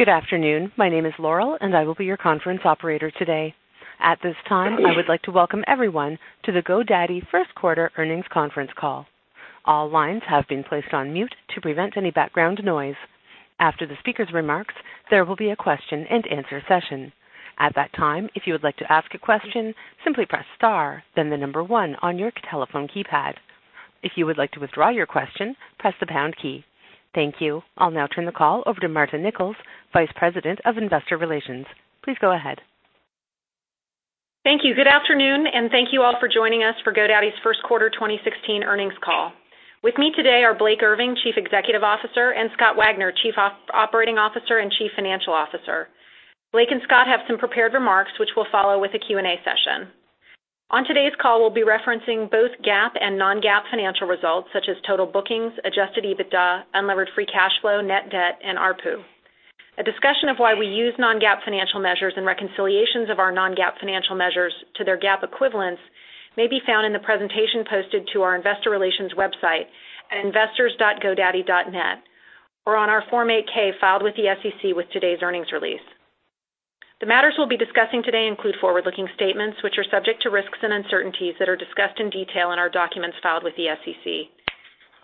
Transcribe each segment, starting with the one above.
Good afternoon. My name is Laurel, and I will be your conference operator today. At this time, I would like to welcome everyone to the GoDaddy first quarter earnings conference call. All lines have been placed on mute to prevent any background noise. After the speaker's remarks, there will be a question and answer session. At that time, if you would like to ask a question, simply press star, then the number one on your telephone keypad. If you would like to withdraw your question, press the pound key. Thank you. I'll now turn the call over to Marta Nichols, Vice President of Investor Relations. Please go ahead. Thank you. Good afternoon. Thank you all for joining us for GoDaddy's first quarter 2016 earnings call. With me today are Blake Irving, Chief Executive Officer, and Scott Wagner, Chief Operating Officer and Chief Financial Officer. Blake and Scott have some prepared remarks, which will follow with a Q&A session. On today's call, we'll be referencing both GAAP and non-GAAP financial results such as total bookings, adjusted EBITDA, unlevered free cash flow, net debt, and ARPU. A discussion of why we use non-GAAP financial measures and reconciliations of our non-GAAP financial measures to their GAAP equivalents may be found in the presentation posted to our investor relations website at investors.godaddy.net or on our Form 8-K filed with the SEC with today's earnings release. The matters we'll be discussing today include forward-looking statements, which are subject to risks and uncertainties that are discussed in detail in our documents filed with the SEC.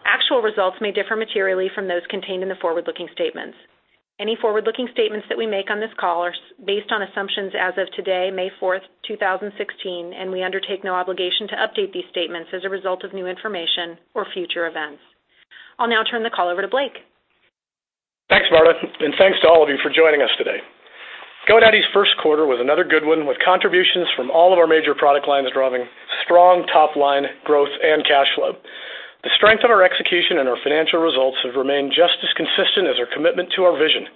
Actual results may differ materially from those contained in the forward-looking statements. Any forward-looking statements that we make on this call are based on assumptions as of today, May 4th, 2016, and we undertake no obligation to update these statements as a result of new information or future events. I'll now turn the call over to Blake. Thanks, Marta, and thanks to all of you for joining us today. GoDaddy's first quarter was another good one, with contributions from all of our major product lines driving strong top-line growth and cash flow. The strength of our execution and our financial results have remained just as consistent as our commitment to our vision,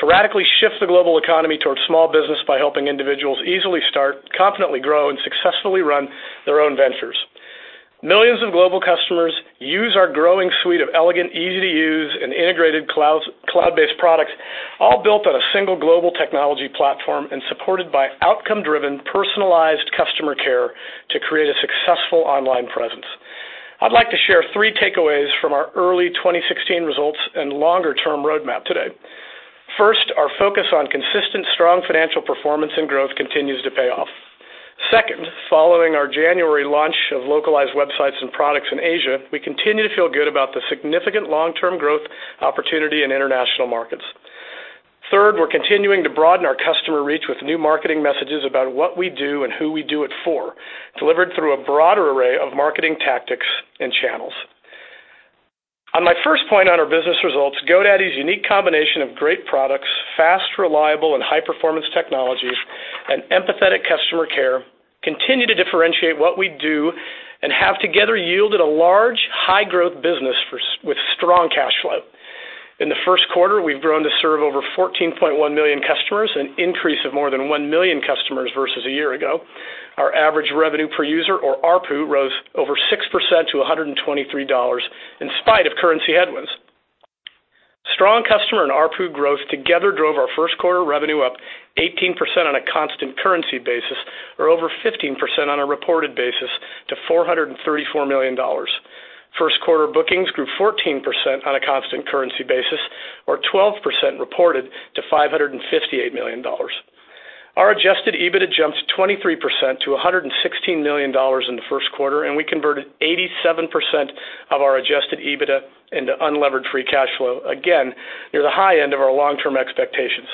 to radically shift the global economy towards small business by helping individuals easily start, confidently grow, and successfully run their own ventures. Millions of global customers use our growing suite of elegant, easy-to-use, and integrated cloud-based products, all built on a single global technology platform and supported by outcome-driven, personalized customer care to create a successful online presence. I'd like to share three takeaways from our early 2016 results and longer-term roadmap today. First, our focus on consistent, strong financial performance and growth continues to pay off. Second, following our January launch of localized websites and products in Asia, we continue to feel good about the significant long-term growth opportunity in international markets. Third, we're continuing to broaden our customer reach with new marketing messages about what we do and who we do it for, delivered through a broader array of marketing tactics and channels. On my first point on our business results, GoDaddy's unique combination of great products, fast, reliable, and high-performance technologies, and empathetic customer care continue to differentiate what we do and have together yielded a large, high-growth business with strong cash flow. In the first quarter, we've grown to serve over 14.1 million customers, an increase of more than one million customers versus a year ago. Our average revenue per user, or ARPU, rose over 6% to $123 in spite of currency headwinds. Strong customer and ARPU growth together drove our first quarter revenue up 18% on a constant currency basis, or over 15% on a reported basis, to $434 million. First quarter bookings grew 14% on a constant currency basis, or 12% reported to $558 million. Our adjusted EBITDA jumped 23% to $116 million in the first quarter, and we converted 87% of our adjusted EBITDA into unlevered free cash flow, again, near the high end of our long-term expectations.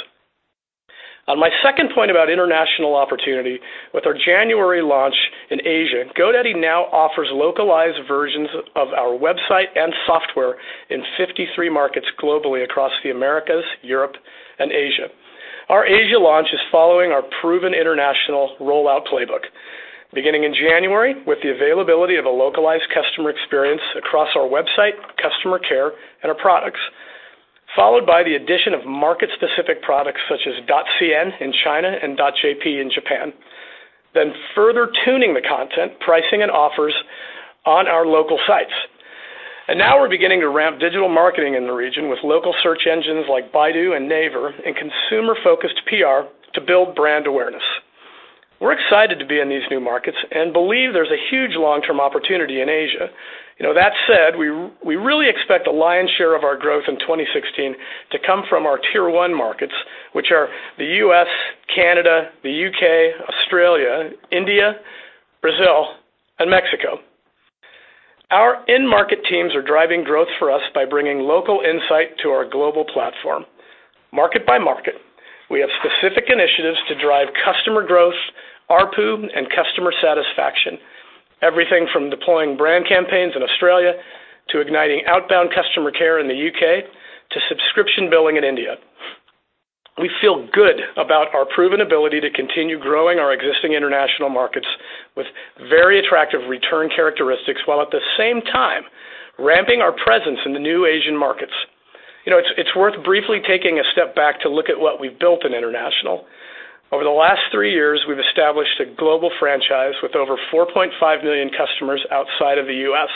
On my second point about international opportunity, with our January launch in Asia, GoDaddy now offers localized versions of our website and software in 53 markets globally across the Americas, Europe, and Asia. Our Asia launch is following our proven international rollout playbook. Beginning in January, with the availability of a localized customer experience across our website, customer care, and our products, followed by the addition of market-specific products such as .cn in China and .jp in Japan, then further tuning the content, pricing, and offers on our local sites. Now we're beginning to ramp digital marketing in the region with local search engines like Baidu and Naver and consumer-focused PR to build brand awareness. We're excited to be in these new markets and believe there's a huge long-term opportunity in Asia. That said, we really expect the lion's share of our growth in 2016 to come from our tier 1 markets, which are the U.S., Canada, the U.K., Australia, India, Brazil, and Mexico. Our in-market teams are driving growth for us by bringing local insight to our global platform. Market by market, we have specific initiatives to drive customer growth, ARPU, and customer satisfaction. Everything from deploying brand campaigns in Australia to igniting outbound customer care in the U.K. to subscription billing in India. We feel good about our proven ability to continue growing our existing international markets with very attractive return characteristics, while at the same time ramping our presence in the new Asian markets. It's worth briefly taking a step back to look at what we've built in international. Over the last three years, we've established a global franchise with over 4.5 million customers outside of the U.S.,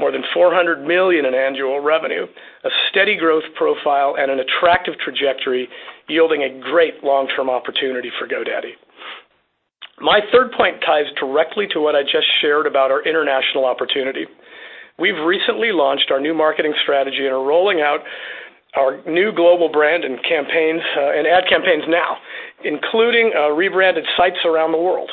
more than $400 million in annual revenue, a steady growth profile, and an attractive trajectory yielding a great long-term opportunity for GoDaddy. My third point ties directly to what I just shared about our international opportunity. We've recently launched our new marketing strategy and are rolling out our new global brand and ad campaigns now, including rebranded sites around the world.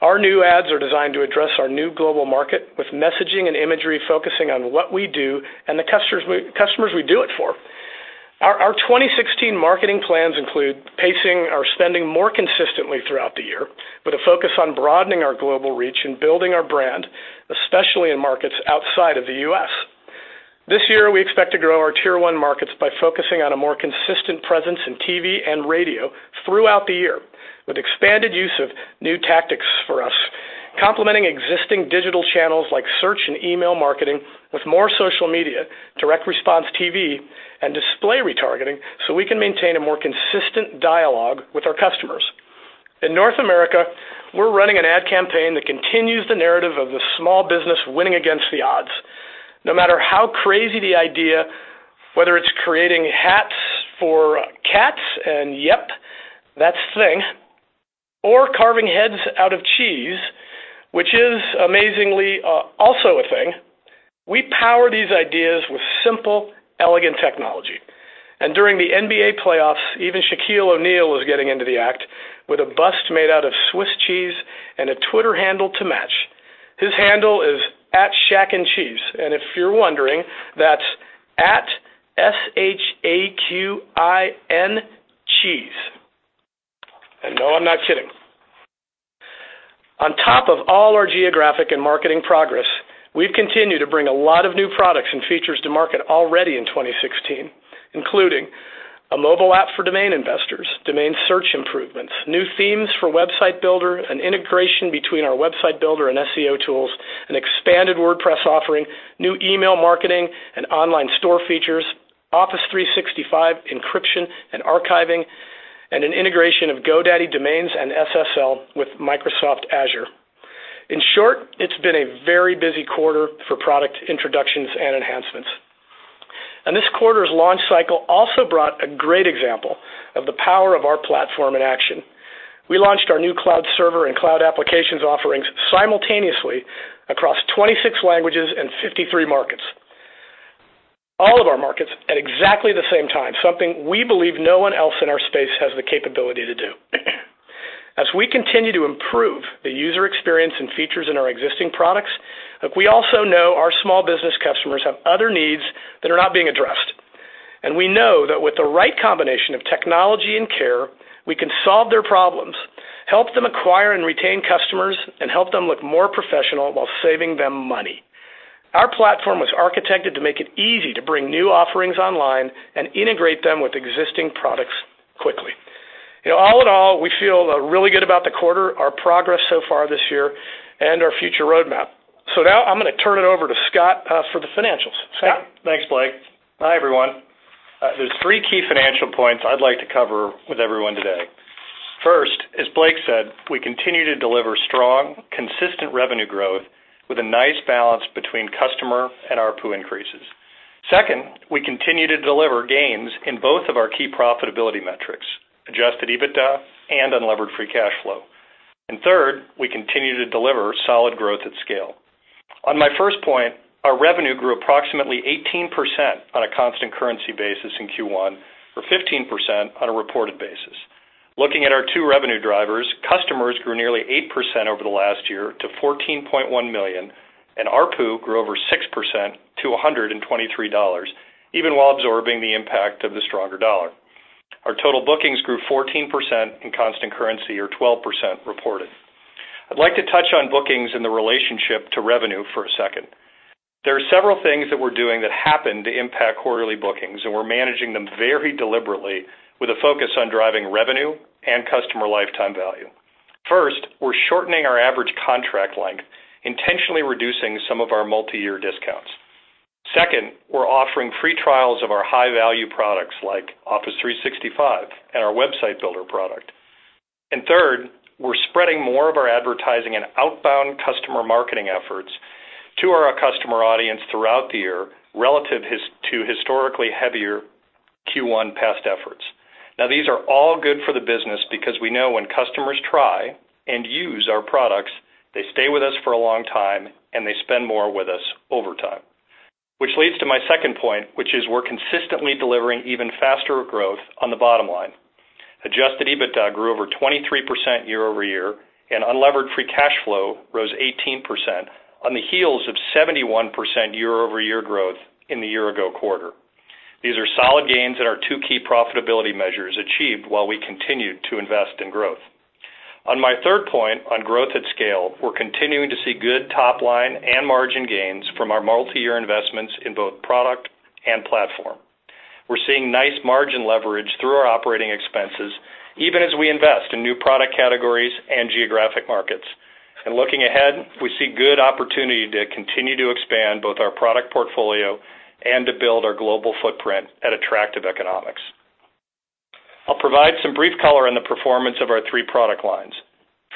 Our new ads are designed to address our new global market with messaging and imagery, focusing on what we do and the customers we do it for. Our 2016 marketing plans include pacing our spending more consistently throughout the year, with a focus on broadening our global reach and building our brand, especially in markets outside of the U.S. This year, we expect to grow our Tier 1 markets by focusing on a more consistent presence in TV and radio throughout the year, with expanded use of new tactics for us, complementing existing digital channels like search and email marketing with more social media, direct response TV, and display retargeting, so we can maintain a more consistent dialogue with our customers. In North America, we're running an ad campaign that continues the narrative of the small business winning against the odds. No matter how crazy the idea, whether it's creating hats for cats, and yep, that's a thing, or carving heads out of cheese, which is amazingly also a thing, we power these ideas with simple, elegant technology. During the NBA playoffs, even Shaquille O'Neal was getting into the act with a bust made out of Swiss cheese and a Twitter handle to match. His handle is @shaquincheese, and if you're wondering, that's @ S-H-A-Q-I-N cheese. No, I'm not kidding. On top of all our geographic and marketing progress, we've continued to bring a lot of new products and features to market already in 2016, including a mobile app for domain investors, domain search improvements, new themes for Website Builder, an integration between our Website Builder and SEO tools, an expanded WordPress offering, new email marketing and online store features, Office 365 encryption and archiving, and an integration of GoDaddy domains and SSL with Microsoft Azure. In short, it's been a very busy quarter for product introductions and enhancements. This quarter's launch cycle also brought a great example of the power of our platform in action. We launched our new cloud server and cloud applications offerings simultaneously across 26 languages and 53 markets. All of our markets at exactly the same time, something we believe no one else in our space has the capability to do. As we continue to improve the user experience and features in our existing products, look, we also know our small business customers have other needs that are not being addressed. We know that with the right combination of technology and care, we can solve their problems, help them acquire and retain customers, and help them look more professional while saving them money. Our platform was architected to make it easy to bring new offerings online and integrate them with existing products quickly. All in all, we feel really good about the quarter, our progress so far this year, and our future roadmap. Now I'm going to turn it over to Scott for the financials. Scott? Yeah. Thanks, Blake. Hi, everyone. There's three key financial points I'd like to cover with everyone today. First, as Blake said, we continue to deliver strong, consistent revenue growth with a nice balance between customer and ARPU increases. Second, we continue to deliver gains in both of our key profitability metrics, adjusted EBITDA and unlevered free cash flow. Third, we continue to deliver solid growth at scale. On my first point, our revenue grew approximately 18% on a constant currency basis in Q1, or 15% on a reported basis. Looking at our two revenue drivers, customers grew nearly 8% over the last year to 14.1 million, and ARPU grew over 6% to $123, even while absorbing the impact of the stronger dollar. Our total bookings grew 14% in constant currency or 12% reported. I'd like to touch on bookings and the relationship to revenue for a second. There are several things that we're doing that happen to impact quarterly bookings, and we're managing them very deliberately with a focus on driving revenue and customer lifetime value. First, we're shortening our average contract length, intentionally reducing some of our multi-year discounts. Second, we're offering free trials of our high-value products like Office 365 and our Website Builder product. Third, we're spreading more of our advertising and outbound customer marketing efforts to our customer audience throughout the year, relative to historically heavier Q1 past efforts. These are all good for the business because we know when customers try and use our products, they stay with us for a long time, and they spend more with us over time. Which leads to my second point, which is we're consistently delivering even faster growth on the bottom line. Adjusted EBITDA grew over 23% year-over-year, and unlevered free cash flow rose 18% on the heels of 71% year-over-year growth in the year ago quarter. These are solid gains in our two key profitability measures achieved while we continued to invest in growth. On my third point on growth at scale, we're continuing to see good top line and margin gains from our multi-year investments in both product and platform. We're seeing nice margin leverage through our operating expenses, even as we invest in new product categories and geographic markets. Looking ahead, we see good opportunity to continue to expand both our product portfolio and to build our global footprint at attractive economics. I'll provide some brief color on the performance of our three product lines.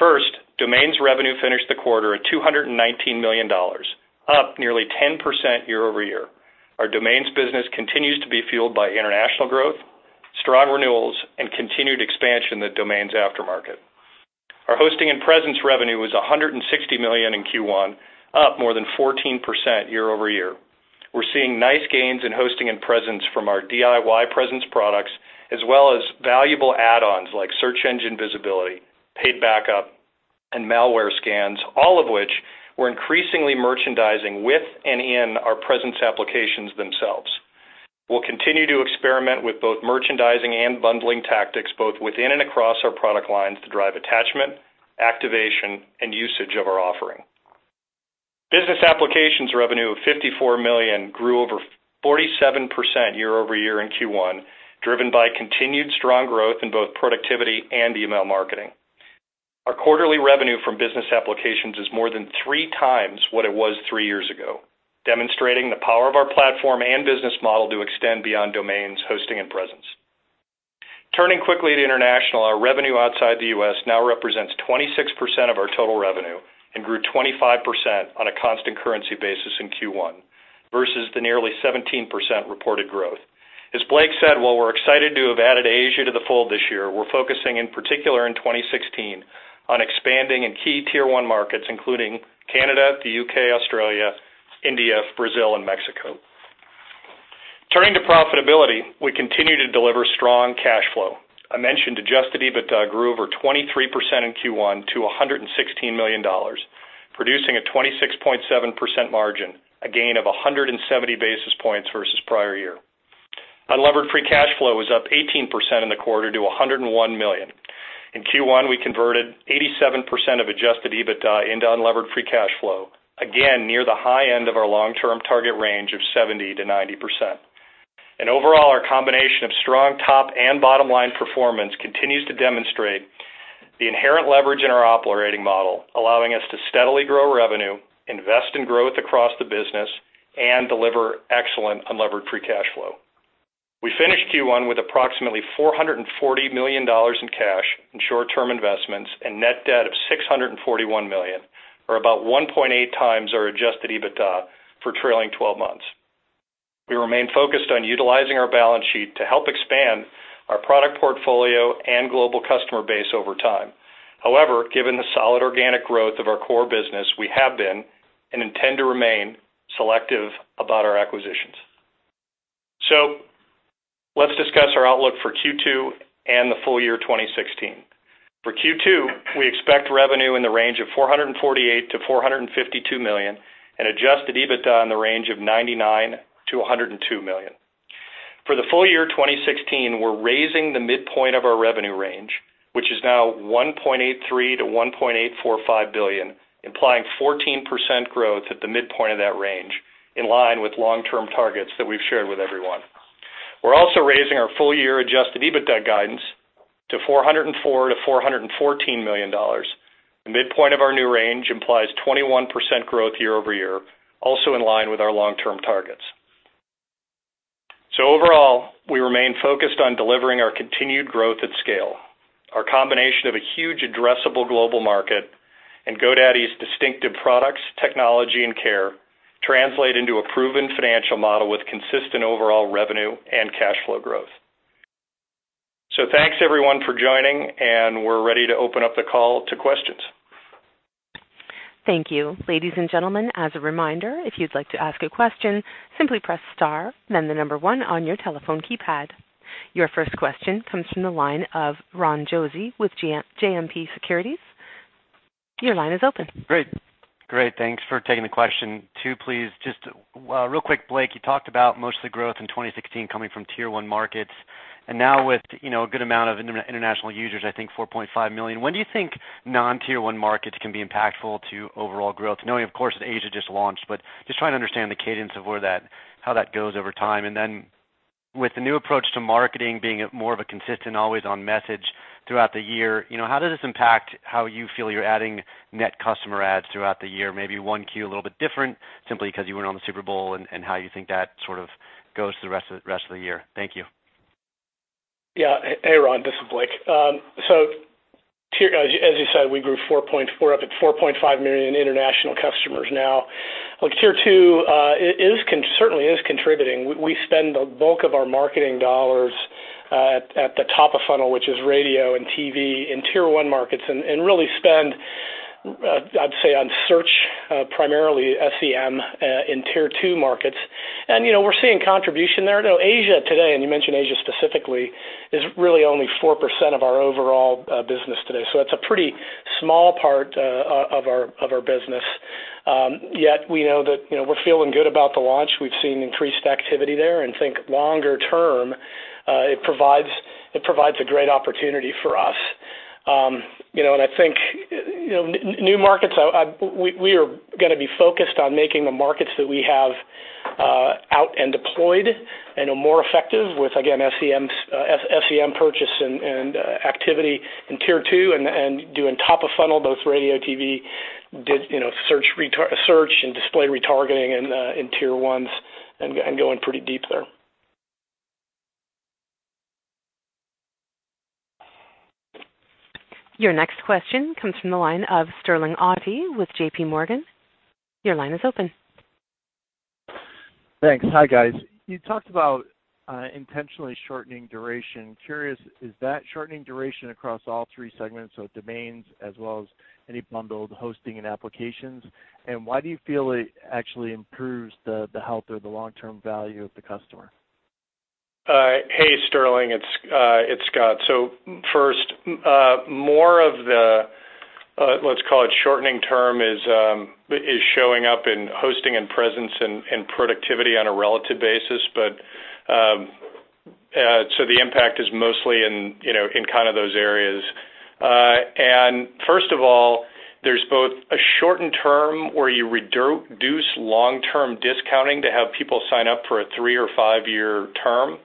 First, domains revenue finished the quarter at $219 million, up nearly 10% year-over-year. Our domains business continues to be fueled by international growth Strong renewals and continued expansion in the domains aftermarket. Our hosting and presence revenue was $160 million in Q1, up more than 14% year-over-year. We're seeing nice gains in hosting and presence from our DIY presence products, as well as valuable add-ons like search engine visibility, paid backup, and malware scans, all of which we're increasingly merchandising with and in our presence applications themselves. We'll continue to experiment with both merchandising and bundling tactics, both within and across our product lines, to drive attachment, activation, and usage of our offering. Business applications revenue of $54 million grew over 47% year-over-year in Q1, driven by continued strong growth in both productivity and email marketing. Our quarterly revenue from business applications is more than three times what it was three years ago, demonstrating the power of our platform and business model to extend beyond domains, hosting, and presence. Turning quickly to international, our revenue outside the U.S. now represents 26% of our total revenue and grew 25% on a constant currency basis in Q1 versus the nearly 17% reported growth. As Blake said, while we're excited to have added Asia to the fold this year, we're focusing in particular in 2016 on expanding in key tier 1 markets, including Canada, the U.K., Australia, India, Brazil, and Mexico. Turning to profitability, we continue to deliver strong cash flow. I mentioned adjusted EBITDA grew over 23% in Q1 to $116 million, producing a 26.7% margin, a gain of 170 basis points versus the prior year. Unlevered free cash flow was up 18% in the quarter to $101 million. In Q1, we converted 87% of adjusted EBITDA into unlevered free cash flow, again near the high end of our long-term target range of 70%-90%. Overall, our combination of strong top and bottom-line performance continues to demonstrate the inherent leverage in our operating model, allowing us to steadily grow revenue, invest in growth across the business, and deliver excellent unlevered free cash flow. We finished Q1 with approximately $440 million in cash and short-term investments and net debt of $641 million, or about 1.8 times our adjusted EBITDA for trailing 12 months. We remain focused on utilizing our balance sheet to help expand our product portfolio and global customer base over time. However, given the solid organic growth of our core business, we have been, and intend to remain, selective about our acquisitions. Let's discuss our outlook for Q2 and the full year 2016. For Q2, we expect revenue in the range of $448 million-$452 million and adjusted EBITDA in the range of $99 million-$102 million. For the full year 2016, we're raising the midpoint of our revenue range, which is now $1.83 billion-$1.845 billion, implying 14% growth at the midpoint of that range, in line with long-term targets that we've shared with everyone. We're also raising our full-year adjusted EBITDA guidance to $404 million-$414 million. The midpoint of our new range implies 21% growth year-over-year, also in line with our long-term targets. Overall, we remain focused on delivering our continued growth at scale. Our combination of a huge addressable global market and GoDaddy's distinctive products, technology, and care translate into a proven financial model with consistent overall revenue and cash flow growth. Thanks everyone for joining, and we're ready to open up the call to questions. Thank you. Ladies and gentlemen, as a reminder, if you'd like to ask a question, simply press star, then the number one on your telephone keypad. Your first question comes from the line of Ron Josey with JMP Securities. Your line is open. Great. Thanks for taking the question. Two, please. Just real quick, Blake, you talked about most of the growth in 2016 coming from tier 1 markets, and now with a good amount of international users, I think $4.5 million, when do you think non-tier-1 markets can be impactful to overall growth? Knowing, of course, that Asia just launched, but just trying to understand the cadence of how that goes over time. With the new approach to marketing being more of a consistent, always on message throughout the year, how does this impact how you feel you're adding net customer adds throughout the year? Maybe one Q a little bit different simply because you went on the Super Bowl, and how you think that sort of goes the rest of the year. Thank you. Hey, Ron, this is Blake. As you said, we grew up at 4.5 million international customers now. Tier 2 certainly is contributing. We spend the bulk of our marketing dollars at the top of funnel, which is radio and TV in tier-1 markets, and really spend, I'd say, on search, primarily SEM, in tier-2 markets. We're seeing contribution there. Asia today, and you mentioned Asia specifically, is really only 4% of our overall business today. That's a pretty small part of our business. Yet we know that we're feeling good about the launch. We've seen increased activity there and think longer term, it provides a great opportunity for us. I think new markets, we are going to be focused on making the markets that we have out and deployed and are more effective with, again, SEM purchase and activity in tier 2 and doing top of funnel, both radio, TV, search, and display retargeting in tier 1s and going pretty deep there. Your next question comes from the line of Sterling Auty with JPMorgan. Your line is open. Thanks. Hi, guys. You talked about intentionally shortening duration. Curious, is that shortening duration across all three segments, so domains as well as any bundled hosting and applications? Why do you feel it actually improves the health or the long-term value of the customer? Hey, Sterling. It's Scott. First, more of the, let's call it shortening term, is showing up in hosting and presence and productivity on a relative basis. The impact is mostly in those areas. First of all, there's both a shortened term where you reduce long-term discounting to have people sign up for a 3 or 5-year term.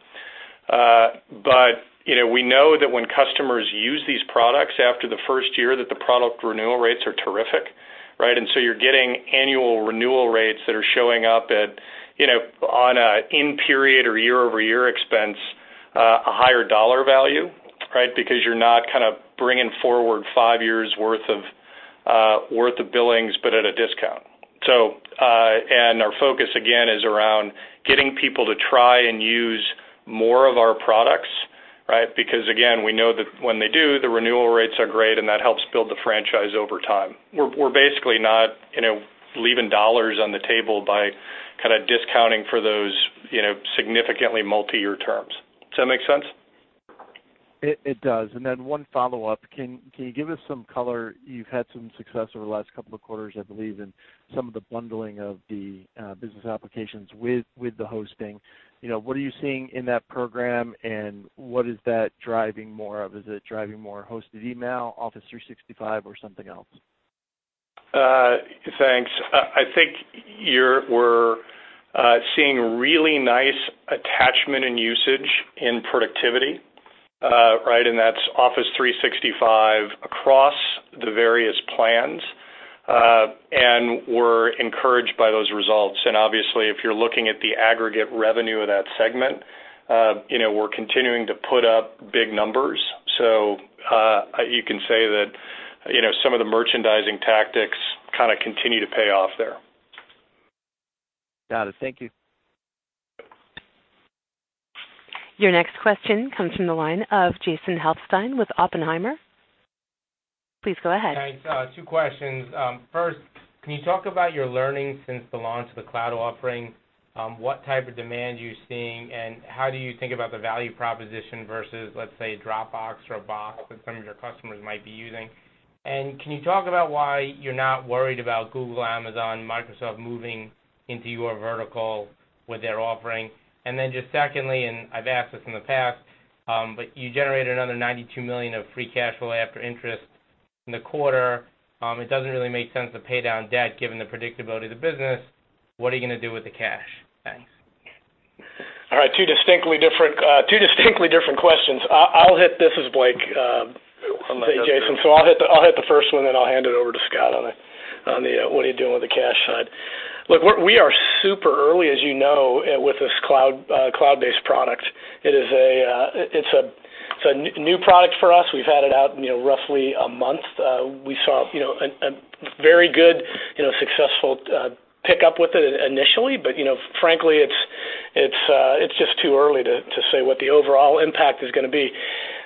We know that when customers use these products after the 1st year, that the product renewal rates are terrific, right? You're getting annual renewal rates that are showing up at, on a in-period or year-over-year expense, a higher dollar value, right? You're not bringing forward 5 years' worth of billings, but at a discount. Our focus, again, is around getting people to try and use more of our products, right? Again, we know that when they do, the renewal rates are great, and that helps build the franchise over time. We're basically not leaving dollars on the table by discounting for those significantly multi-year terms. Does that make sense? It does. Then 1 follow-up. Can you give us some color? You've had some success over the last couple of quarters, I believe, in some of the bundling of the business applications with the hosting. What are you seeing in that program, and what is that driving more of? Is it driving more hosted email, Office 365, or something else? Thanks. I think we're seeing really nice attachment and usage in productivity, right? That's Office 365 across the various plans. We're encouraged by those results. Obviously, if you're looking at the aggregate revenue of that segment, we're continuing to put up big numbers. You can say that some of the merchandising tactics kind of continue to pay off there. Got it. Thank you. Your next question comes from the line of Jason Helfstein with Oppenheimer. Please go ahead. Thanks. Two questions. First, can you talk about your learnings since the launch of the cloud offering? What type of demand you're seeing, and how do you think about the value proposition versus, let's say, Dropbox or Box that some of your customers might be using? Can you talk about why you're not worried about Google, Amazon, Microsoft moving into your vertical with their offering? Just secondly, and I've asked this in the past, but you generated another $92 million of free cash flow after interest in the quarter. It doesn't really make sense to pay down debt given the predictability of the business. What are you going to do with the cash? Thanks. All right. Two distinctly different questions. This is Blake. I'm going to jump in. Hey, Jason. I'll hit the first one, then I'll hand it over to Scott on the what are you doing with the cash side. Look, we are super early, as you know, with this cloud-based product. It's a new product for us. We've had it out roughly a month. We saw a very good, successful pickup with it initially. Frankly, it's just too early to say what the overall impact is going to be.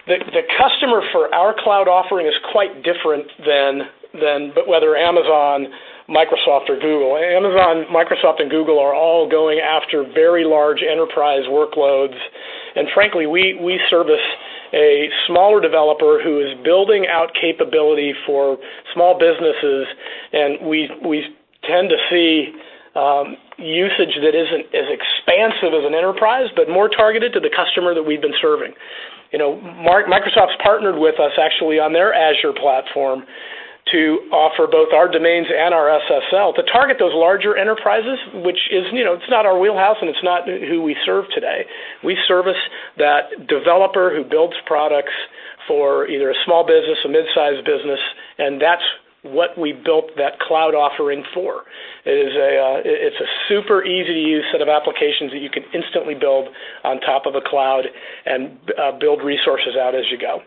The customer for our cloud offering is quite different than whether Amazon, Microsoft or Google. Amazon, Microsoft, and Google are all going after very large enterprise workloads. Frankly, we service a smaller developer who is building out capability for small businesses, and we tend to see usage that isn't as expansive as an enterprise, but more targeted to the customer that we've been serving. Microsoft's partnered with us actually on their Azure platform to offer both our domains and our SSL to target those larger enterprises, which it's not our wheelhouse and it's not who we serve today. We service that developer who builds products for either a small business, a mid-size business, and that's what we built that cloud offering for. It's a super easy-to-use set of applications that you can instantly build on top of a cloud and build resources out as you go.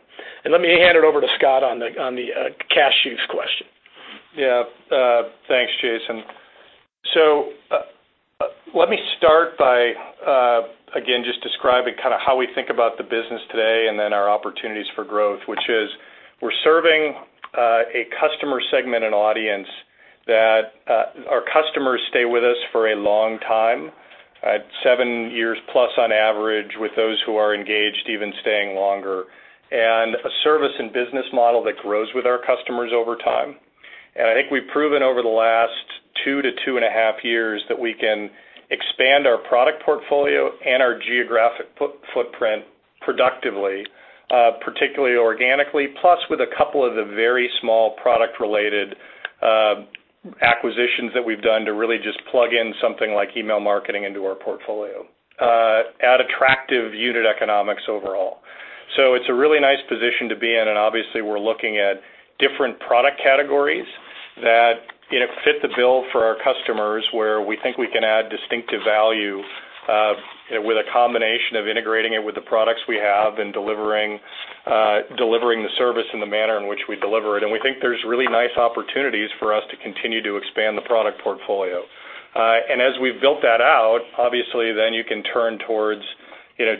Let me hand it over to Scott on the cash use question. Yeah. Thanks, Jason. Let me start by, again, just describing how we think about the business today and then our opportunities for growth, which is we're serving a customer segment and audience that our customers stay with us for a long time, seven years plus on average, with those who are engaged even staying longer, and a service and business model that grows with our customers over time. I think we've proven over the last two to two and a half years that we can expand our product portfolio and our geographic footprint productively, particularly organically, plus with a couple of the very small product-related acquisitions that we've done to really just plug in something like email marketing into our portfolio at attractive unit economics overall. It's a really nice position to be in, and obviously, we're looking at different product categories that fit the bill for our customers, where we think we can add distinctive value with a combination of integrating it with the products we have and delivering the service in the manner in which we deliver it. We think there's really nice opportunities for us to continue to expand the product portfolio. As we've built that out, obviously then you can turn towards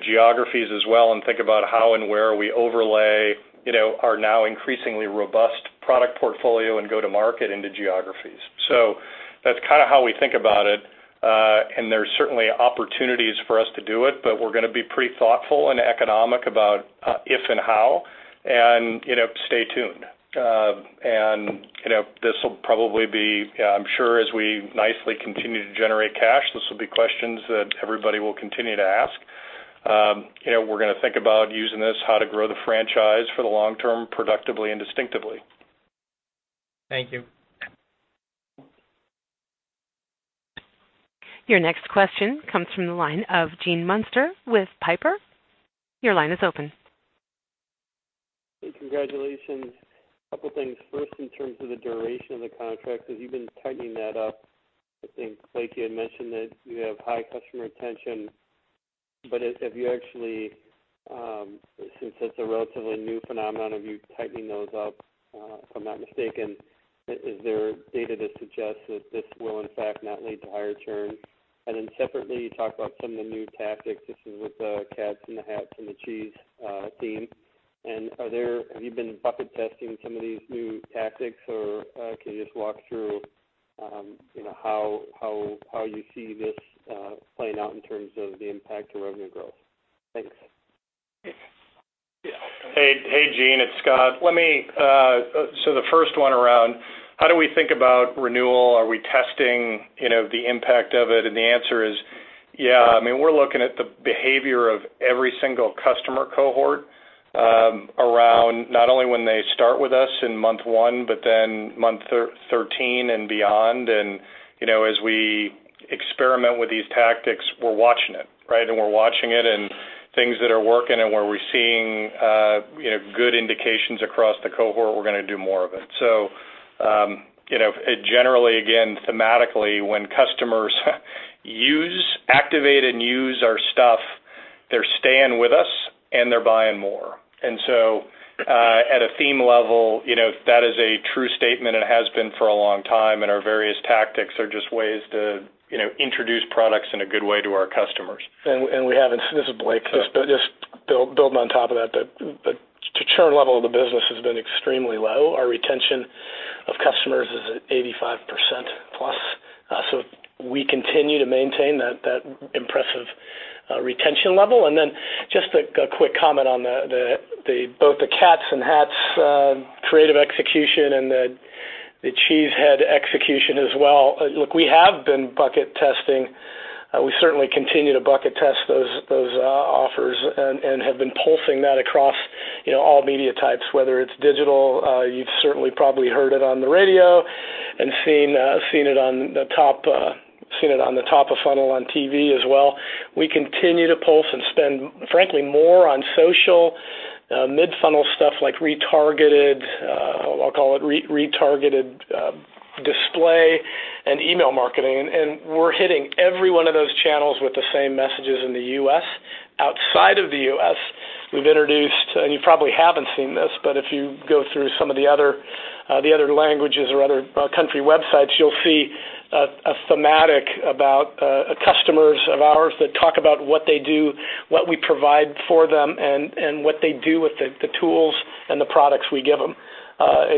geographies as well and think about how and where we overlay our now increasingly robust product portfolio and go to market into geographies. That's kind of how we think about it. There's certainly opportunities for us to do it, but we're going to be pretty thoughtful and economic about if and how, and stay tuned. This will probably be, I'm sure as we nicely continue to generate cash, these will be questions that everybody will continue to ask. We're going to think about using this, how to grow the franchise for the long term productively and distinctively. Thank you. Your next question comes from the line of Gene Munster with Piper. Your line is open. Hey, congratulations. A couple things. First, in terms of the duration of the contract, have you been tightening that up? I think Blake had mentioned that you have high customer retention. Have you actually, since it's a relatively new phenomenon of you tightening those up, if I'm not mistaken, is there data that suggests that this will in fact not lead to higher churn? Separately, you talked about some of the new tactics. This is with the cats and the hats and the cheese theme. Have you been bucket testing some of these new tactics, or can you just walk through how you see this playing out in terms of the impact to revenue growth? Thanks. Hey, Gene, it's Scott. The first one around how do we think about renewal? Are we testing the impact of it? The answer is, yeah, we're looking at the behavior of every single customer cohort, around not only when they start with us in month one, but then month 13 and beyond. As we experiment with these tactics, we're watching it, right? We're watching it and things that are working and where we're seeing good indications across the cohort, we're going to do more of it. Generally, again, thematically, when customers activate and use our stuff, they're staying with us and they're buying more. At a theme level, that is a true statement and has been for a long time, and our various tactics are just ways to introduce products in a good way to our customers. This is Blake. Sure. Just building on top of that, the churn level of the business has been extremely low. Our retention of customers is at 85%-plus. We continue to maintain that impressive retention level. Just a quick comment on both the cats and hats creative execution and the cheesehead execution as well. Look, we have been bucket testing. We certainly continue to bucket test those offers and have been pulsing that across all media types, whether it's digital. You've certainly probably heard it on the radio and seen it on the top of funnel on TV as well. We continue to pulse and spend, frankly, more on social, mid-funnel stuff like retargeted, I'll call it retargeted display and email marketing. We're hitting every one of those channels with the same messages in the U.S. Outside of the U.S., we've introduced, and you probably haven't seen this, but if you go through some of the other languages or other country websites, you'll see a thematic about customers of ours that talk about what they do, what we provide for them, and what they do with the tools and the products we give them.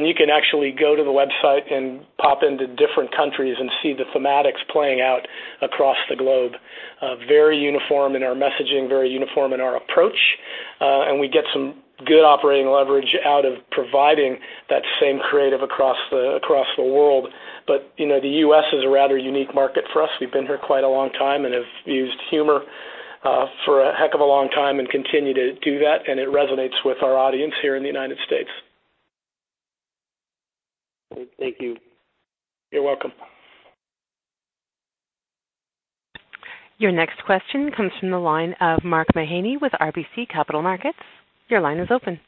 You can actually go to the website and pop into different countries and see the thematics playing out across the globe. Very uniform in our messaging, very uniform in our approach. We get some good operating leverage out of providing that same creative across the world. The U.S. is a rather unique market for us. We've been here quite a long time and have used humor for a heck of a long time and continue to do that, and it resonates with our audience here in the United States. Thank you. You're welcome. Your next question comes from the line of Mark Mahaney with RBC Capital Markets. Your line is open.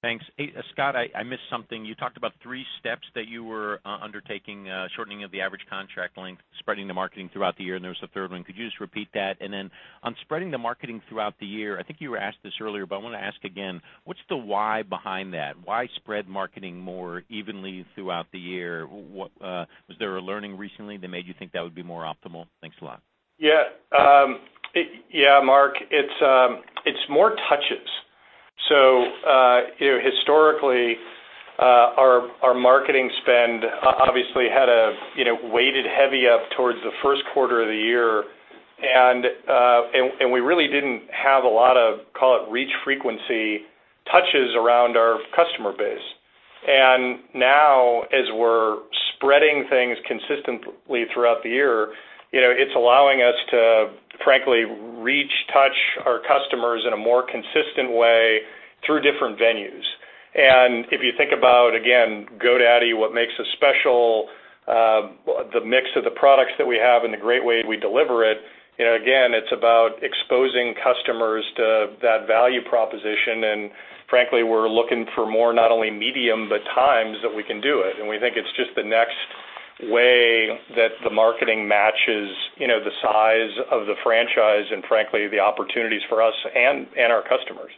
Thanks. Hey, Scott, I missed something. You talked about three steps that you were undertaking, shortening of the average contract length, spreading the marketing throughout the year, and there was a third one. Could you just repeat that? On spreading the marketing throughout the year, I think you were asked this earlier, I want to ask again, what's the why behind that? Why spread marketing more evenly throughout the year? Was there a learning recently that made you think that would be more optimal? Thanks a lot. Yeah, Mark. It's more touches. Historically, our marketing spend obviously weighted heavy up towards the first quarter of the year, and we really didn't have a lot of, call it, reach frequency touches around our customer base. Now, as we're spreading things consistently throughout the year, it's allowing us to frankly reach, touch our customers in a more consistent way through different venues. If you think about, again, GoDaddy, what makes us special? The mix of the products that we have and the great way we deliver it, again, it's about exposing customers to that value proposition. Frankly, we're looking for more, not only medium, but times that we can do it. We think it's just the next way that the marketing matches the size of the franchise and frankly, the opportunities for us and our customers.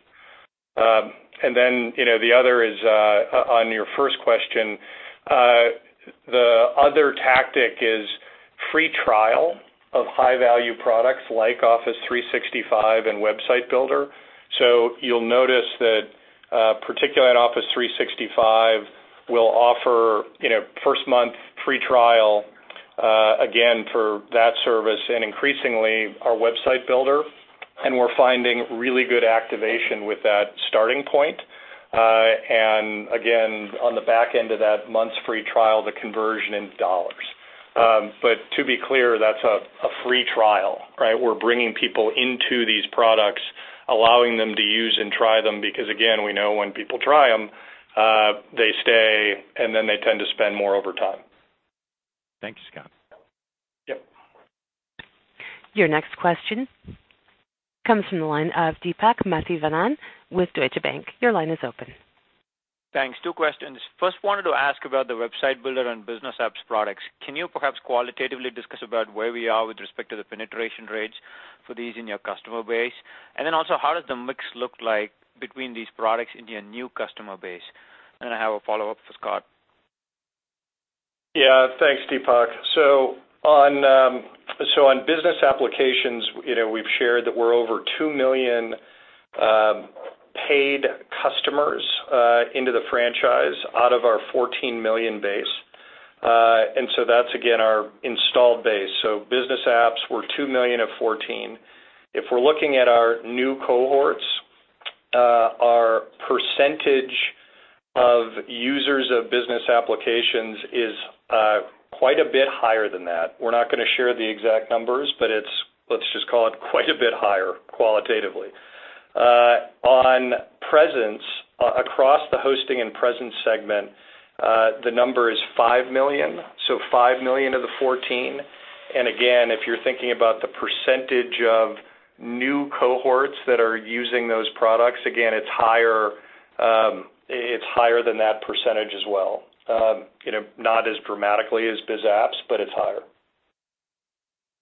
The other is, on your first question, the other tactic is free trial of high-value products like Office 365 and Website Builder. You'll notice that, particularly at Office 365, we'll offer first month free trial, again, for that service and increasingly our Website Builder, and we're finding really good activation with that starting point. Again, on the back end of that month's free trial, the conversion in dollars. To be clear, that's a free trial, right? We're bringing people into these products, allowing them to use and try them because, again, we know when people try them, they stay, and then they tend to spend more over time. Thanks, Scott. Yep. Your next question comes from the line of Deepak Mathivanan with Deutsche Bank. Your line is open. Thanks. Two questions. First, wanted to ask about the Website Builder and Business Apps products. Can you perhaps qualitatively discuss about where we are with respect to the penetration rates for these in your customer base? Then also, how does the mix look like between these products in your new customer base? I have a follow-up for Scott. Yeah. Thanks, Deepak. On business applications, we've shared that we're over 2 million paid customers into the franchise out of our 14 million base. That's again, our installed base. Business Apps, we're 2 million of 14. Again, if you're thinking about the percentage of new cohorts that are using those products, again, it's higher than that percentage as well. Not as dramatically as Biz Apps, but it's higher.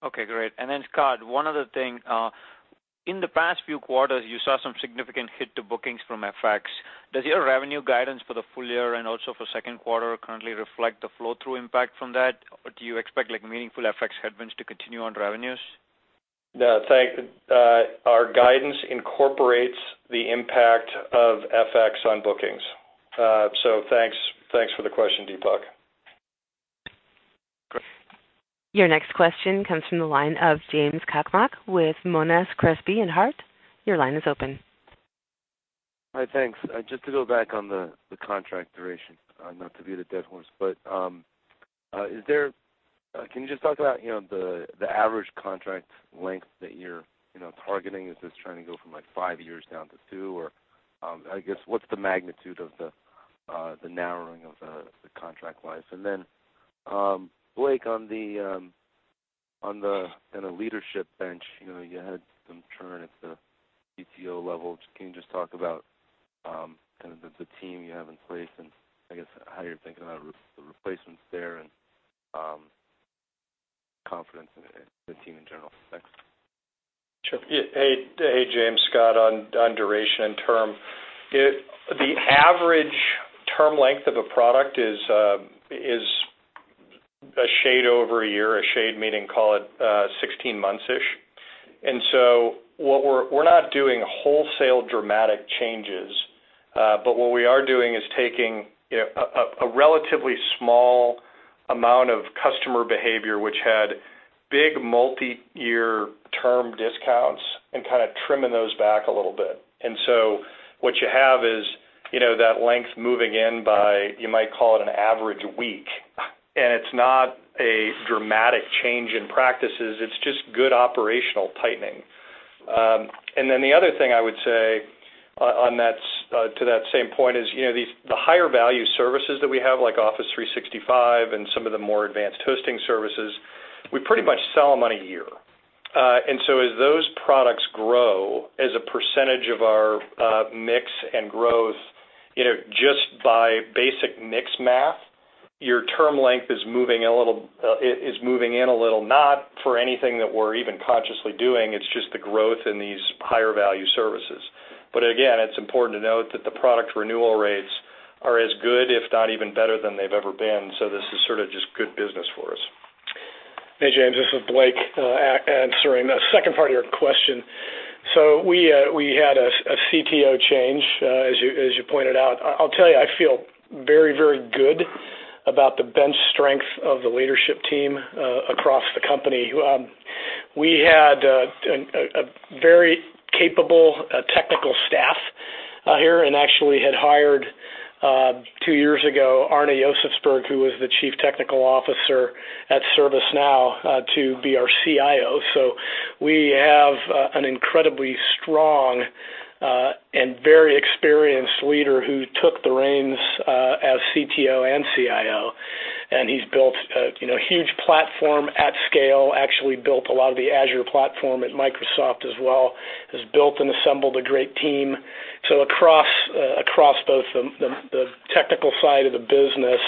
Okay, great. Scott, one other thing. In the past few quarters, you saw some significant hit to bookings from FX. Does your revenue guidance for the full year and also for second quarter currently reflect the flow-through impact from that? Do you expect meaningful FX headwinds to continue on revenues? No, thanks. Our guidance incorporates the impact of FX on bookings. Thanks for the question, Deepak. Great. Your next question comes from the line of James Cakmak with Monness, Crespi, Hardt. Your line is open. Hi. Thanks. Just to go back on the contract duration, not to beat a dead horse, but can you just talk about the average contract length that you're targeting? Is this trying to go from five years down to two? I guess, what's the magnitude of the narrowing of the contract life? Blake, on the leadership bench, you had some churn at the CTO level. Can you just talk about kind of the team you have in place and, I guess, how you're thinking about the replacements there and confidence in the team in general? Thanks. Sure. Hey, James. Scott on duration and term. The average term length of a product is a shade over a year, a shade meaning call it 16 months-ish. We're not doing wholesale dramatic changes. What we are doing is taking a relatively small amount of customer behavior, which had big multi-year term discounts, and kind of trimming those back a little bit. What you have is that length moving in by, you might call it an average week, and it's not a dramatic change in practices, it's just good operational tightening. The other thing I would say to that same point is the higher value services that we have, like Office 365 and some of the more advanced hosting services, we pretty much sell them on a year. As those products grow as a percentage of our mix and growth, just by basic mix math, your term length is moving in a little, not for anything that we're even consciously doing, it's just the growth in these higher value services. Again, it's important to note that the product renewal rates are as good, if not even better than they've ever been. This is sort of just good business for us. Hey, James, this is Blake, answering the second part of your question. We had a CTO change, as you pointed out. I'll tell you, I feel very good about the bench strength of the leadership team across the company. We had a very capable technical staff here, and actually had hired, two years ago, Arne Josefsberg, who was the Chief Technical Officer at ServiceNow, to be our CIO. We have an incredibly strong and very experienced leader who took the reins as CTO and CIO, and he's built a huge platform at scale, actually built a lot of the Azure platform at Microsoft as well, has built and assembled a great team. Across both the technical side of the business,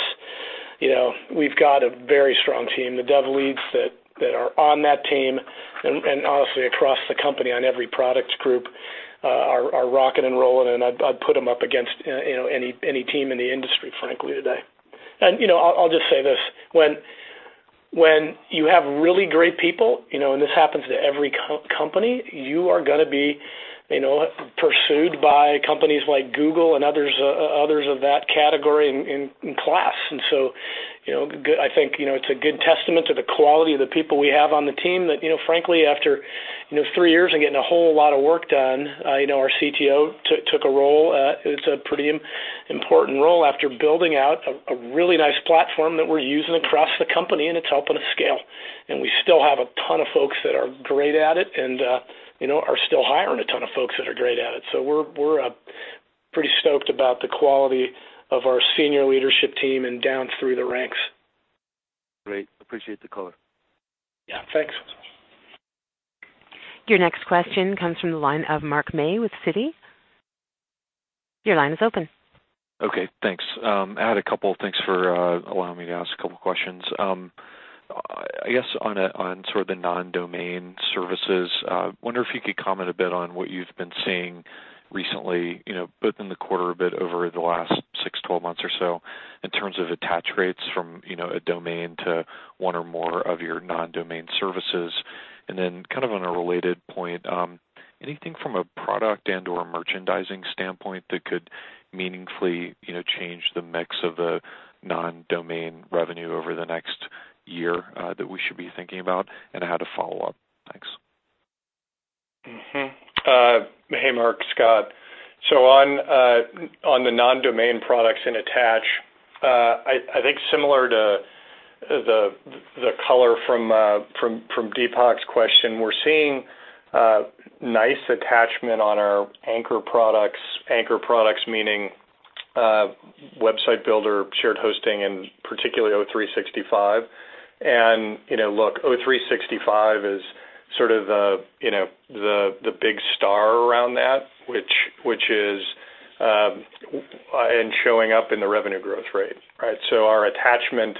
we've got a very strong team. The dev leads that are on that team and honestly, across the company on every product group, are rocking and rolling, and I'd put them up against any team in the industry, frankly, today. I'll just say this, when you have really great people, and this happens to every company, you are going to be pursued by companies like Google and others of that category and class. I think it's a good testament to the quality of the people we have on the team that, frankly, after three years and getting a whole lot of work done, our CTO took a role. It's a pretty important role after building out a really nice platform that we're using across the company, and it's helping us scale. We still have a ton of folks that are great at it and are still hiring a ton of folks that are great at it. We're pretty stoked about the quality of our senior leadership team and down through the ranks. Great. Appreciate the call. Yeah, thanks. Your next question comes from the line of Mark May with Citi. Your line is open. Okay, thanks. I had a couple. Thanks for allowing me to ask a couple of questions. I guess on sort of the non-domain services, I wonder if you could comment a bit on what you've been seeing recently, both in the quarter, but over the last 6, 12 months or so, in terms of attach rates from a domain to one or more of your non-domain services. Kind of on a related point, anything from a product and/or a merchandising standpoint that could meaningfully change the mix of the non-domain revenue over the next year that we should be thinking about, and I had a follow-up. Thanks. Hey, Mark, Scott. On the non-domain products and attach, I think similar to the color from Deepak's question, we're seeing nice attachment on our anchor products. Anchor products meaning, Website Builder, shared hosting, and particularly O365. Look, O365 is sort of the big star around that, and showing up in the revenue growth rate, right? Our attachment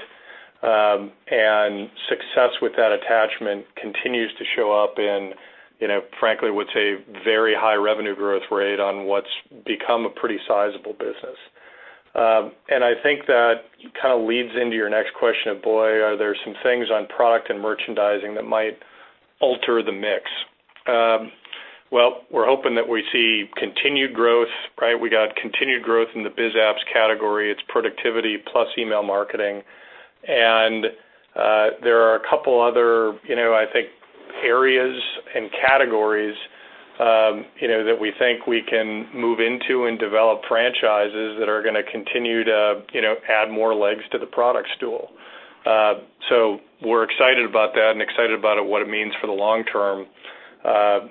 and success with that attachment continues to show up in, frankly, what's a very high revenue growth rate on what's become a pretty sizable business. I think that kind of leads into your next question of, boy, are there some things on product and merchandising that might alter the mix? Well, we're hoping that we see continued growth, right? We got continued growth in the biz apps category, it's productivity plus email marketing. There are a couple other, I think, areas and categories that we think we can move into and develop franchises that are going to continue to add more legs to the product stool. We're excited about that and excited about what it means for the long term. That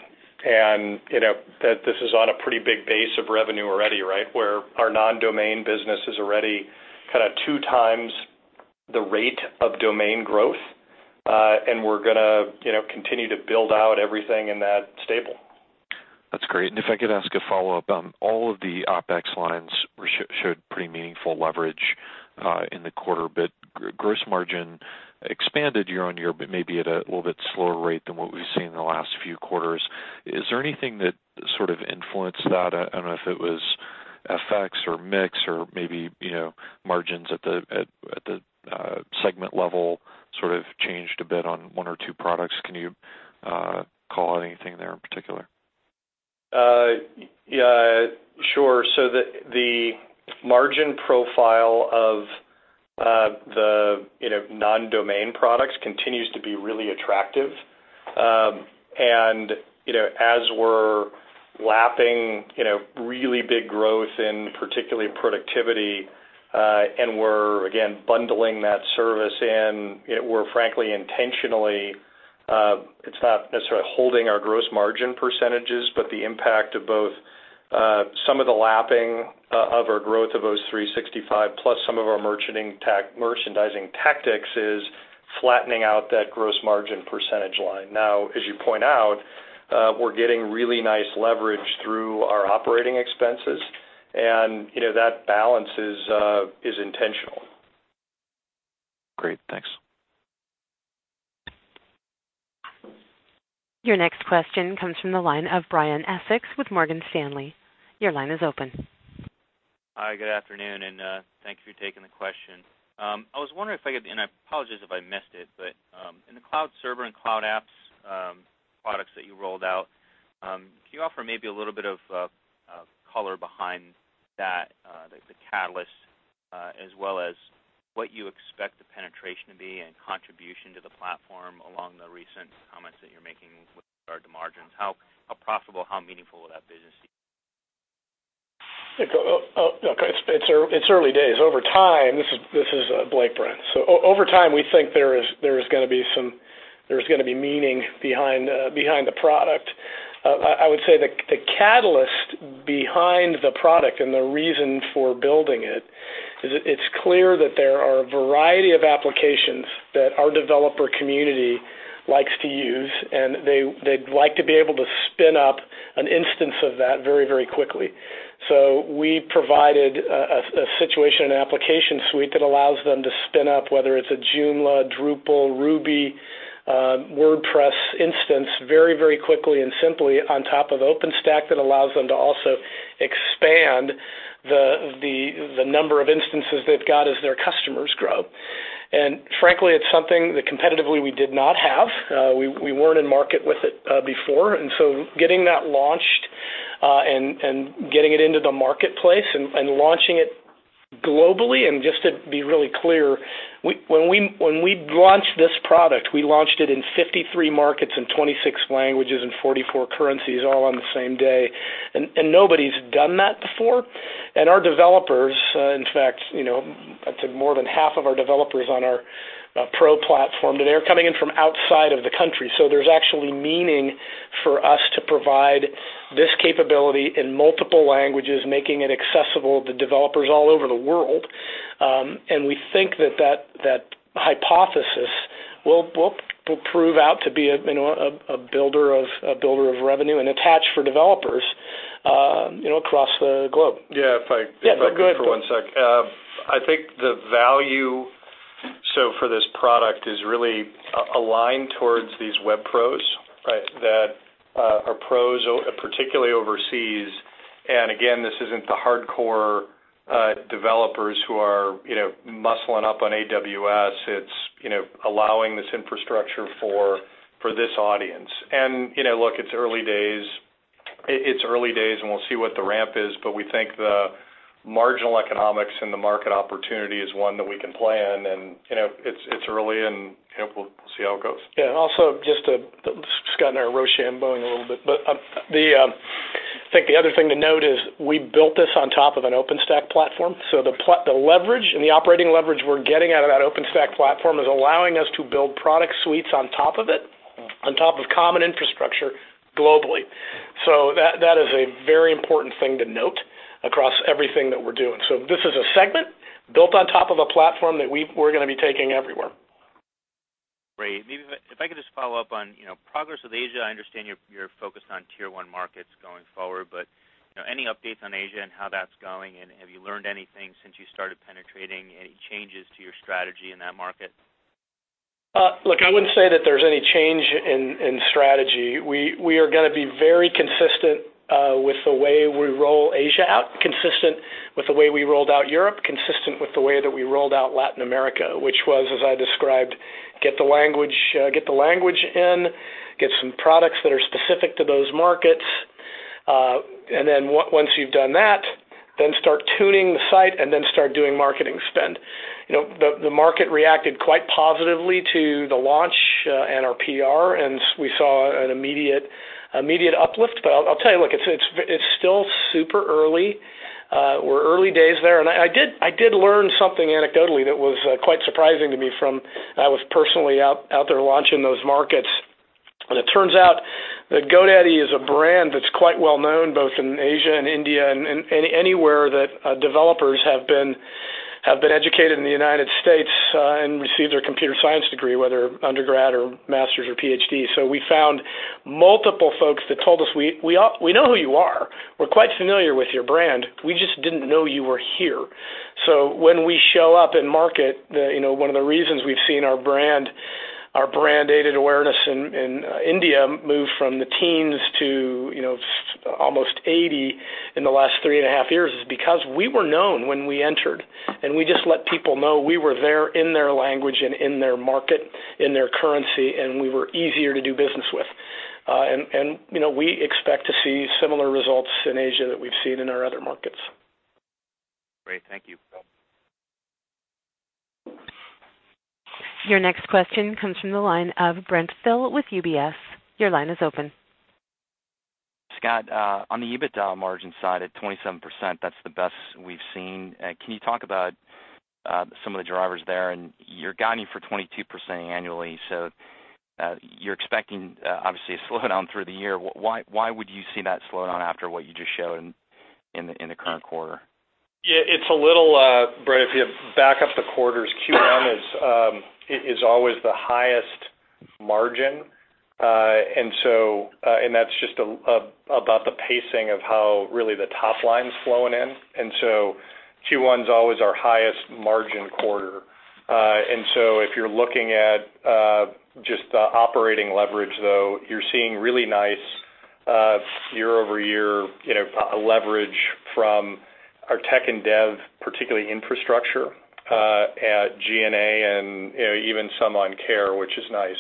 this is on a pretty big base of revenue already, right? Where our non-domain business is already kind of two times the rate of domain growth. We're going to continue to build out everything in that stable. That's great. If I could ask a follow-up, all of the OpEx lines showed pretty meaningful leverage in the quarter, but gross margin expanded year-over-year, but maybe at a little bit slower rate than what we've seen in the last few quarters. Is there anything that sort of influenced that? I don't know if it was FX or mix or maybe margins at the segment level sort of changed a bit on one or two products. Can you call out anything there in particular? Yeah, sure. The margin profile of the non-domain products continues to be really attractive. As we're lapping really big growth in particularly productivity, we're again bundling that service in, we're frankly intentionally, it's not necessarily holding our gross margin percentages, but the impact of both some of the lapping of our growth of O365 plus some of our merchandising tactics is flattening out that gross margin percentage line. As you point out, we're getting really nice leverage through our operating expenses, and that balance is intentional. Great. Thanks. Your next question comes from the line of Brian Essex with Morgan Stanley. Your line is open. Hi, good afternoon, thanks for taking the question. I was wondering if I could, I apologize if I missed it, in the cloud server and cloud apps products that you rolled out, can you offer maybe a little bit of color behind that, like the catalyst, as well as what you expect the penetration to be and contribution to the platform along the recent comments that you're making with regard to margins? How profitable, how meaningful will that business be? It's early days. This is Blake, Brent. Over time, we think there's going to be meaning behind the product. I would say the catalyst behind the product and the reason for building it is that it's clear that there are a variety of applications that our developer community likes to use, and they'd like to be able to spin up an instance of that very quickly. We provided a situation, an application suite that allows them to spin up, whether it's a Joomla, Drupal, Ruby, WordPress instance, very quickly and simply on top of OpenStack that allows them to also expand the number of instances they've got as their customers grow. Frankly, it's something that competitively we did not have. We weren't in market with it before. Getting that launched, and getting it into the marketplace and launching it globally, and just to be really clear, when we launched this product, we launched it in 53 markets, in 26 languages, in 44 currencies, all on the same day. Nobody's done that before. Our developers, in fact, I'd say more than half of our developers on our pro platform, they're coming in from outside of the country. There's actually meaning for us to provide this capability in multiple languages, making it accessible to developers all over the world. We think that hypothesis will prove out to be a builder of revenue and attach for developers across the globe. Yeah. If I- Yeah. Go ahead. For one sec. I think the value for this product is really aligned towards these web pros, that are pros, particularly overseas. Again, this isn't the hardcore developers who are muscling up on AWS. It's allowing this infrastructure for this audience. Look, it's early days, and we'll see what the ramp is, but we think the marginal economics and the market opportunity is one that we can play in and it's early and we'll see how it goes. Yeah. Also just to, Scott and I are roshamboing a little bit, but I think the other thing to note is we built this on top of an OpenStack platform. The leverage and the operating leverage we're getting out of that OpenStack platform is allowing us to build product suites on top of it, on top of common infrastructure globally. That is a very important thing to note across everything that we're doing. This is a segment built on top of a platform that we're going to be taking everywhere. Great. Maybe if I could just follow up on progress with Asia. I understand you're focused on tier 1 markets going forward, but any updates on Asia and how that's going, and have you learned anything since you started penetrating? Any changes to your strategy in that market? Look, I wouldn't say that there's any change in strategy. We are going to be very consistent with the way we roll Asia out, consistent with the way we rolled out Europe, consistent with the way that we rolled out Latin America, which was, as I described, get the language in, get some products that are specific to those markets, and then once you've done that, then start tuning the site and then start doing marketing spend. The market reacted quite positively to the launch, and our PR, and we saw an immediate uplift. I'll tell you, look, it's still super early. We're early days there. I did learn something anecdotally that was quite surprising to me from, I was personally out there launching those markets. It turns out that GoDaddy is a brand that's quite well known, both in Asia and India, and anywhere that developers have been educated in the U.S., and received their computer science degree, whether undergrad or master's or PhD. We found multiple folks that told us, "We know who you are. We're quite familiar with your brand. We just didn't know you were here." When we show up in market, one of the reasons we've seen our brand aided awareness in India move from the teens to almost 80 in the last three and a half years, is because we were known when we entered, and we just let people know we were there in their language and in their market, in their currency, and we were easier to do business with. We expect to see similar results in Asia that we've seen in our other markets. Great. Thank you. You're welcome. Your next question comes from the line of Brent Thill with UBS. Your line is open. Scott, on the EBITDA margin side, at 27%, that's the best we've seen. Can you talk about some of the drivers there? You're guiding for 22% annually. You're expecting, obviously, a slowdown through the year. Why would you see that slowdown after what you just showed in the current quarter? Brent, if you back up the quarters, Q1 is always the highest margin. That's just about the pacing of how really the top line's flowing in. Q1's always our highest margin quarter. If you're looking at just the operating leverage, though, you're seeing really nice year-over-year leverage from our tech and dev, particularly infrastructure, at G&A, and even some on care, which is nice.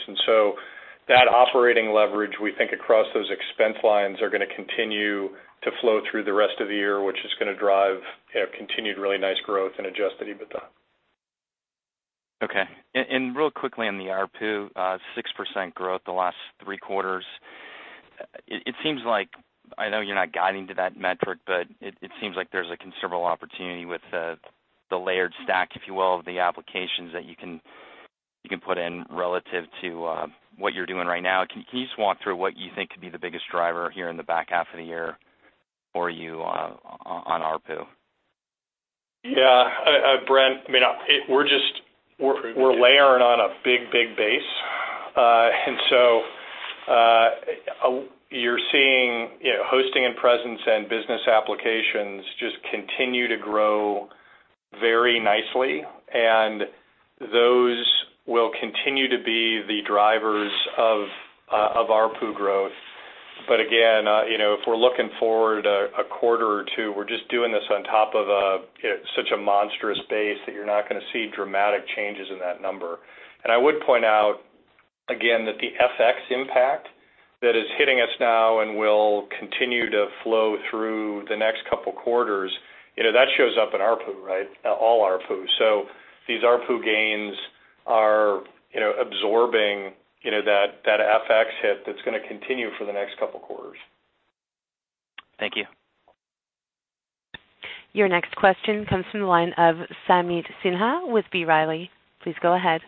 That operating leverage, we think across those expense lines are going to continue to flow through the rest of the year, which is going to drive continued really nice growth and adjusted EBITDA. Real quickly on the ARPU, 6% growth the last three quarters. I know you're not guiding to that metric, but it seems like there's a considerable opportunity with the layered stack, if you will, of the applications that you can put in relative to what you're doing right now. Can you just walk through what you think could be the biggest driver here in the back half of the year for you on ARPU? Yeah. Brent, we're layering on a big base. You're seeing hosting and presence and business applications just continue to grow very nicely, and those will continue to be the drivers of ARPU growth. But again, if we're looking forward a quarter or two, we're just doing this on top of such a monstrous base that you're not going to see dramatic changes in that number. I would point out again that the FX impact that is hitting us now and will continue to flow through the next couple of quarters, that shows up in ARPU, right? All ARPU. These ARPU gains are absorbing that FX hit that's going to continue for the next couple of quarters. Thank you. Your next question comes from the line of Sameet Sinha with B. Riley. Please go ahead.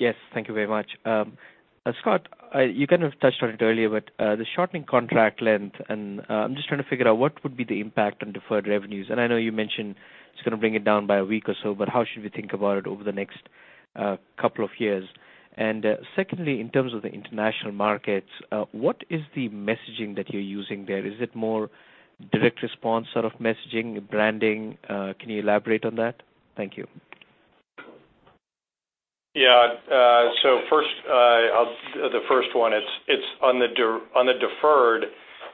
Yes, thank you very much. Scott, you kind of touched on it earlier with the shortening contract length, I'm just trying to figure out what would be the impact on deferred revenues. I know you mentioned it's going to bring it down by a week or so, but how should we think about it over the next couple of years? Secondly, in terms of the international markets, what is the messaging that you're using there? Is it more direct response sort of messaging, branding? Can you elaborate on that? Thank you. Yeah. The first one, it's on the deferred.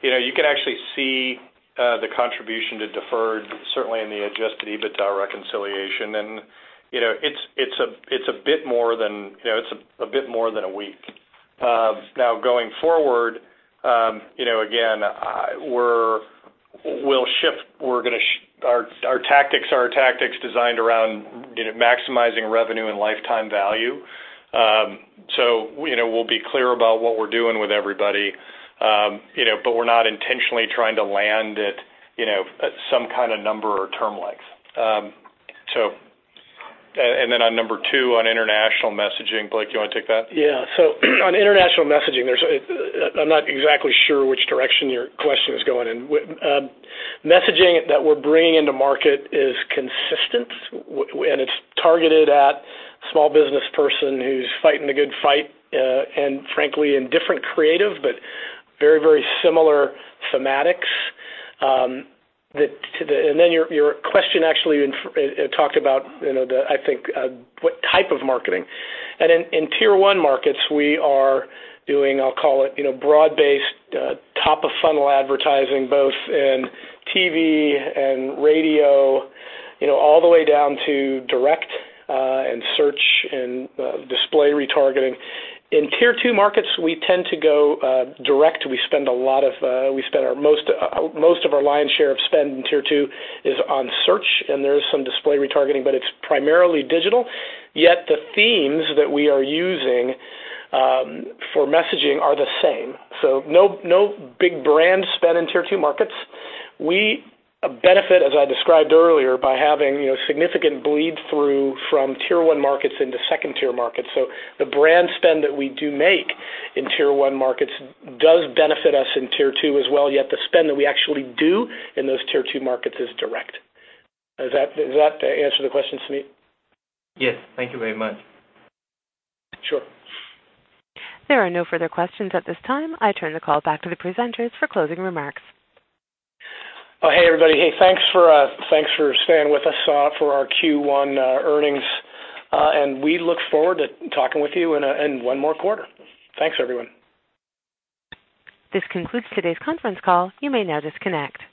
You can actually see the contribution to deferred certainly in the adjusted EBITDA reconciliation, and it's a bit more than a week. Going forward, again, our tactics are tactics designed around maximizing revenue and lifetime value. We'll be clear about what we're doing with everybody, but we're not intentionally trying to land it at some kind of number or term length. On number 2, on international messaging, Blake, you want to take that? Yeah. On international messaging, I'm not exactly sure which direction your question is going in. Messaging that we're bringing into market is consistent, it's targeted at small business person who's fighting the good fight, frankly, in different creative, but very similar thematics. Your question actually talked about, I think, what type of marketing. In tier 1 markets, we are doing, I'll call it, broad-based, top-of-funnel advertising, both in TV and radio, all the way down to direct and search and display retargeting. In tier 2 markets, we tend to go direct. Most of our lion's share of spend in tier 2 is on search, and there's some display retargeting, but it's primarily digital. The themes that we are using for messaging are the same. No big brand spend in tier 2 markets. We benefit, as I described earlier, by having significant bleed-through from tier 1 markets into second-tier markets. The brand spend that we do make in tier 1 markets does benefit us in tier 2 as well, the spend that we actually do in those tier 2 markets is direct. Does that answer the question, Sameet? Yes. Thank you very much. Sure. There are no further questions at this time. I turn the call back to the presenters for closing remarks. Hey, everybody. Hey, thanks for staying with us for our Q1 earnings. We look forward to talking with you in one more quarter. Thanks, everyone. This concludes today's conference call. You may now disconnect.